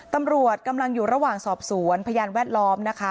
ตำรวจกำลังอยู่ระหว่างสอบสวนพยานแวดล้อมนะคะ